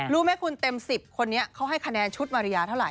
รู้ไหมคุณเต็ม๑๐คนนี้เขาให้คะแนนชุดมาริยาเท่าไ